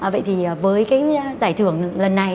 vậy thì với cái giải thưởng lần này